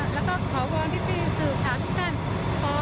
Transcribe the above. แล้วก็ขอวอนพี่สื่อข่าวทุกท่าน